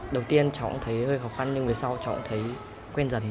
đầu tiên cháu cũng thấy hơi khó khăn nhưng về sau cháu thấy quen dần